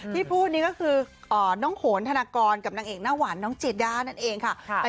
ที่พูดนี้ก็คือน้องโขนธนากรกับนางเอกหน้าหวานน้องจีด้านั่นเองค่ะ